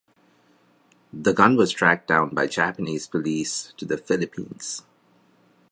The gun was tracked down by Japanese police to the Philippines.